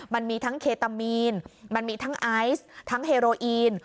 มันมีทั้งเคตามีนมันมีทั้งไอซ์ทั้งเฮโรอีน